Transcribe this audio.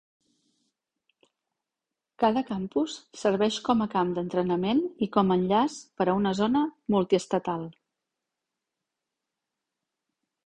Cada campus serveix com a camp d'entrenament i com a enllaç per a una zona multiestatal.